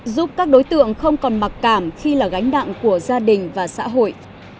giúp các đối tượng không còn mặc cảm khi là gánh nặng của gia đình và xã hội